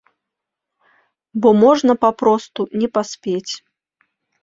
Бо можна папросту не паспець.